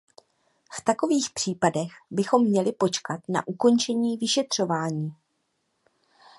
V takových případech bychom měli počkat na ukončení vyšetřování.